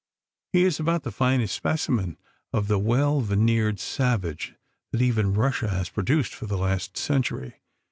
"He is about the finest specimen of the well veneered savage that even Russia has produced for the last century.